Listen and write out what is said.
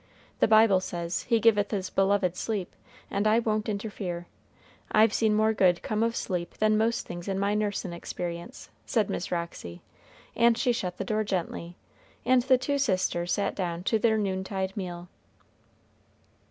The Bible says, 'He giveth his beloved sleep,' and I won't interfere. I've seen more good come of sleep than most things in my nursin' experience," said Miss Roxy, and she shut the door gently, and the two sisters sat down to their noontide meal.